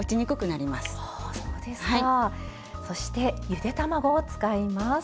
そしてゆで卵を使います。